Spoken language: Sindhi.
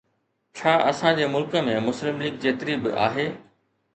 ڇا اسان جي ملڪ ۾ مسلم ليگ جيتري به آهي؟